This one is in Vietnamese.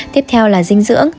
tiếp theo là dinh dưỡng